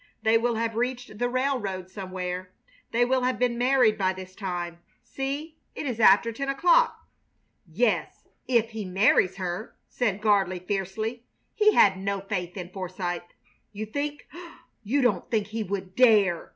"They will have reached the railroad somewhere. They will have been married by this time. See, it is after ten o'clock!" "Yes, if he marries her," said Gardley, fiercely. He had no faith in Forsythe. "You think you don't think he would dare!"